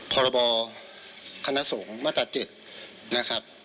พรคมาตรา๗